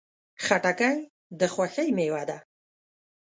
خټکی د خوښۍ میوه ده.